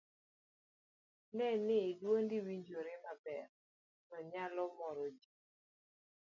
ne ni dwondi winjore maber to nyalo moro ji